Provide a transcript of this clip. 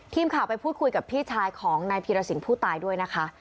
ทีมข่าวไปพูดคุยกับพี่ชายของนายพีรสินผู้ตายด้วยนะคะ